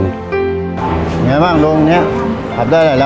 ยังไงบ้างโรงนี้ขับได้อะไรแล้ว